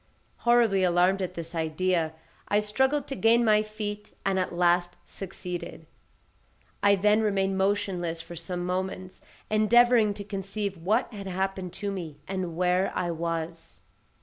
Horribly alarmed at this idea, I struggled to gain my feet, and at last succeeded. I then remained motionless for some moments, endeavouring to conceive what had happened to me, and where I was.